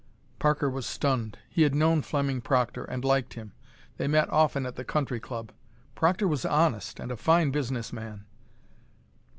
Parker was stunned. He had known Fleming Proctor, and liked him. They met often at the country club. "Proctor was honest, and a fine business man!"